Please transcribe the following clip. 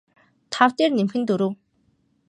тав дээр нэмэх нь дөрөв